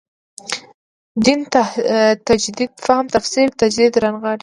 دین تجدید فهم تفسیر تجدید رانغاړي.